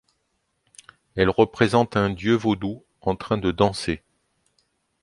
Elle représente un dieu vaudou en train de danser.